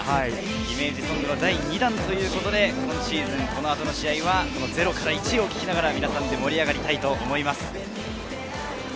イメージソング第２弾ということで、今シーズン、これからの試合は『ゼロからイチへ』を聴きながら、皆さんで盛り上がりたいと思います。